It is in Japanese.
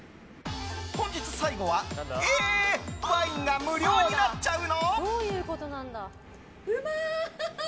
本日最後はえ、ワインが無料になっちゃうの？